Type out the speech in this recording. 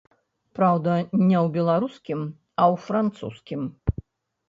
Праўда, не ў беларускім, а ў французскім.